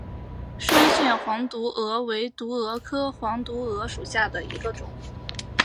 双线黄毒蛾为毒蛾科黄毒蛾属下的一个种。